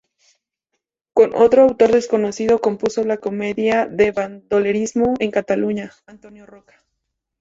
Con otro autor desconocido compuso la comedia de bandolerismo en Cataluña "Antonio Roca".